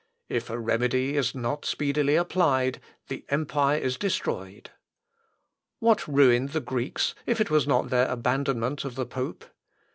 If a remedy is not speedily applied, the empire is destroyed. What ruined the Greeks if it was not their abandonment of the pope?